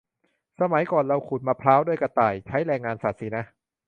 สมัยก่อนเราขูดมะพร้าวด้วยกระต่าย ใช้แรงงานสัตว์สินะ